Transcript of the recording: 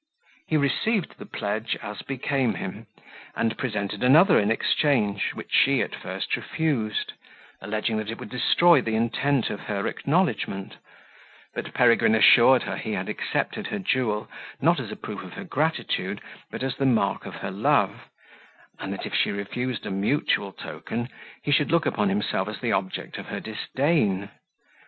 He received the pledge as became him, and presented another in exchange, which she at first refused, alleging that it would destroy the intent of her acknowledgment; but Peregrine assured her he had accepted her jewel, not as a proof of her gratitude, but as the mark of her love; and that if she refused a mutual token, he should look upon himself as the object of her disdain.